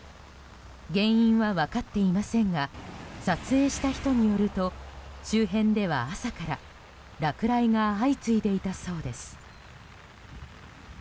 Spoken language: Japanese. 原因は分かっていませんが撮影した人によると周辺では朝から落雷が相次いでいたそうです。